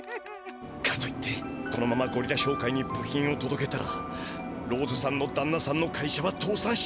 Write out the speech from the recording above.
かといってこのままゴリラ商会に部品をとどけたらローズさんのだんなさんの会社はとうさんしちまう。